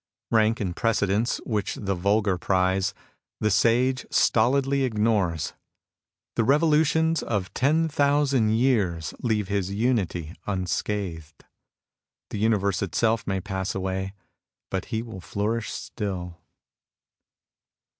Rank and precedence, which the vulgar prize, the Sage stolidly ignores. The revolutions of ten thousand years leave his imity unscathed. The universe itself may pass away, but he will flourish still.